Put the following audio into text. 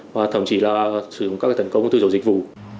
và thậm chí là sử dụng các cái tấn công từ chỗ dịch vụ